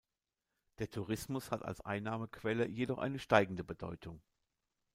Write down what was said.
Der Tourismus hat als Einnahmequelle jedoch eine steigende Bedeutung.